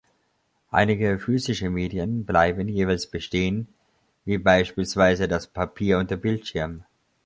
Einige physische Medien bleiben jeweils bestehen, wie beispielsweise das Papier und der Bildschirm.